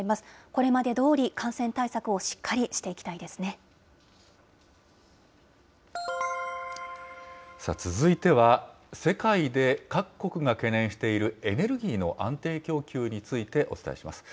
これまでどおり、感染対策をしっさあ、続いては世界で各国が懸念しているエネルギーの安定供給についてお伝えします。